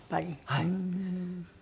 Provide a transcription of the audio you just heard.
はい。